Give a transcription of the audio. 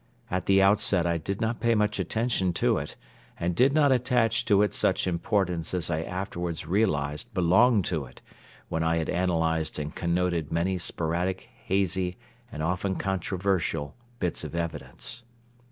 At the outset I did not pay much attention to it and did not attach to it such importance as I afterwards realized belonged to it, when I had analyzed and connoted many sporadic, hazy and often controversial bits of evidence.